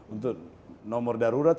untuk nomor darurat